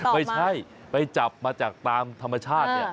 ไม่ใช่ไปจับมาจากตามธรรมชาติเนี่ย